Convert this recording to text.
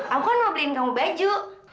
aku kan mau beliin kamu baju